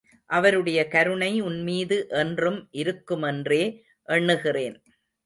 அவருடைய கருணை உன்மீது என்றும் இருக்குமென்றே எண்ணுகிறேன்.